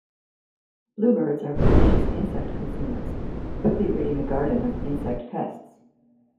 Bluebirds are voracious insect consumers, quickly ridding a garden of insect pests.